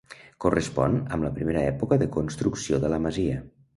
Correspon amb la primera època de construcció de la masia.